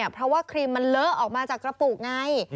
เพราะว่าครีมมันเลอะออกมาจากกระปุกไง